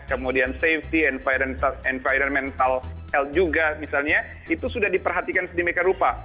kemudian safety environmental health juga misalnya itu sudah diperhatikan sedemikian rupa